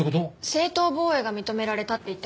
正当防衛が認められたって言ってました。